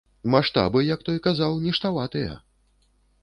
Маштабы, як той казаў, ніштаватыя!